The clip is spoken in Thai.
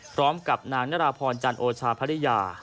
พร้อมกับนางนารพรจันทร์โอชาพร้อมพระริยา